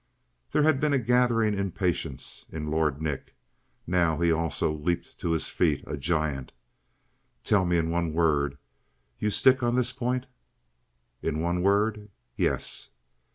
There had been a gathering impatience in Lord Nick. Now he, also, leaped to his feet; a giant. "Tell me in one word: You stick on this point?" "In one word yes!"